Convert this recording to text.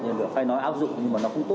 nên phải nói áp dụng nhưng mà nó không tốt